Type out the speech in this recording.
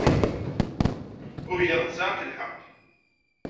Ugaɣ tesɛamt lḥeqq.